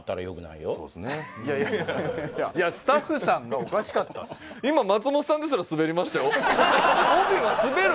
いやいやスタッフさんがおかしかったっすもん